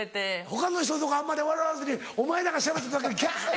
他の人とかはあんまり笑わずにお前らがしゃべった時「ギャ！」。